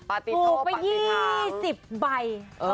ประติธภาพปลูกไป๒๐ใบ